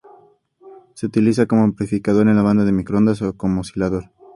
Se utiliza como amplificador en la banda de microondas o como oscilador.